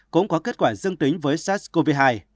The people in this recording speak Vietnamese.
cũng có kết quả dương tính với sars cov hai